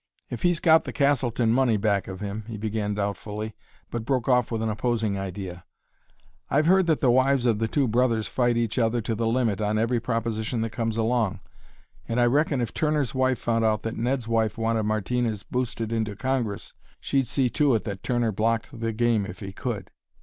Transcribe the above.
"If he's got the Castleton money back of him," he began doubtfully, but broke off with an opposing idea: "I've heard that the wives of the two brothers fight each other to the limit on every proposition that comes along, and I reckon if Turner's wife found out that Ned's wife wanted Martinez boosted into Congress she'd see to it that Turner blocked the game if he could."